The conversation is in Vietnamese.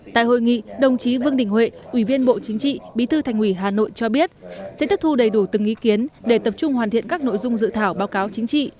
tại hội nghị đồng chí vương đình huệ ủy viên bộ chính trị bí thư thành ủy hà nội cho biết sẽ thức thu đầy đủ từng ý kiến để tập trung hoàn thiện các nội dung dự thảo báo cáo chính trị